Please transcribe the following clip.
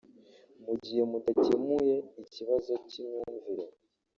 mu gihe mudakemuye ikibazo cy’imyumvire